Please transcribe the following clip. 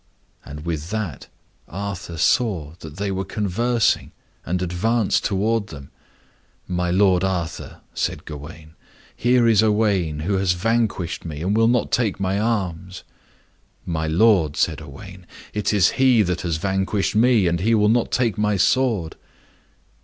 And with that Arthur saw that they were conversing, and advanced toward them. "My lord Arthur," said Gawain, "here is Owain who has vanquished me, and will not take my arms." "My lord," said Owain, "it is he that has vanquished me, and he will not take my sword."